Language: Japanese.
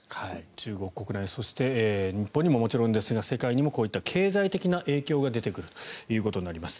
中国国内そして日本にももちろんですが世界にもこういった経済的な影響が出てくることになります。